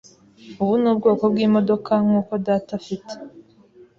Ubu ni ubwoko bwimodoka nkuko data afite.